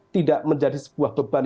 tidak menjadi sebuah beban